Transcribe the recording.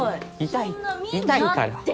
痛いから。